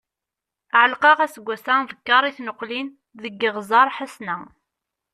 Ɛelqeɣ aseggas-a dekkeṛ i tneqlin deg Iɣzeṛ Ḥesna.